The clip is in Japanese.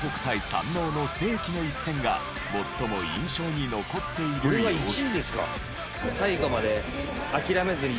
山王の世紀の一戦が最も印象に残っている様子。